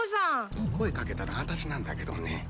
声かけたのあたしなんだけどね。